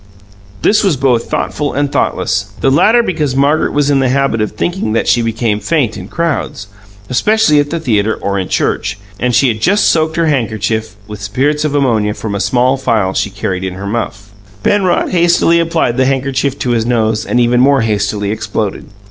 This was both thoughtful and thoughtless the latter because Margaret was in the habit of thinking that she became faint in crowds, especially at the theatre or in church, and she had just soaked her handkerchief with spirits of ammonia from a small phial she carried in her muff. Penrod hastily applied the handkerchief to his nose and even more hastily exploded.